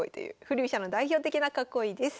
振り飛車の代表的な囲いです。